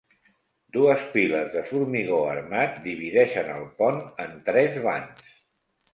Dues piles de formigó armat divideixen el pont en tres vans.